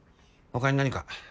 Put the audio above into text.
他に何か？